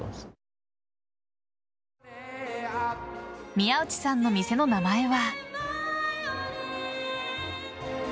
宮司さんの店の名前は。